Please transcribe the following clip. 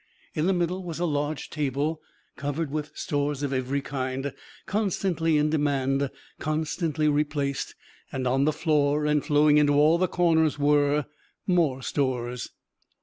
In the middle was a large table, covered with stores of every kind, constantly in demand, constantly replaced; and on the floor, and flowing into all the corners, were more stores!